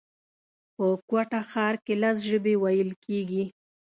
په کوټه ښار کښي لس ژبي ویل کېږي